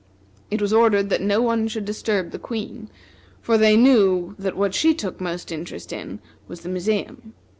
It was ordered that no one should disturb the Queen, for they knew that what she took most interest in was the museum.